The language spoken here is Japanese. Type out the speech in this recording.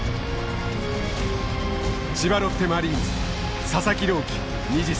千葉ロッテマリーンズ佐々木朗希２０歳。